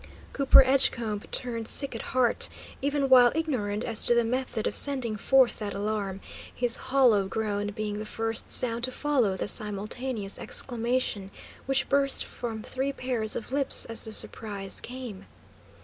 Cooper Edgecombe turned sick at heart, even while ignorant as to the method of sending forth that alarm, his hollow groan being the first sound to follow the simultaneous exclamation which burst from three pairs of lips as the surprise came.